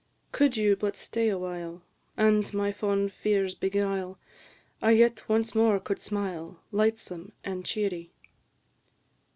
Could you but stay a while, And my fond fears beguile, I yet once more could smile, Lightsome and cheery.